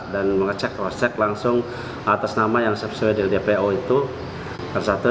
dan mengecek crosscheck langsung atas nama yang sesuai dengan dpo itu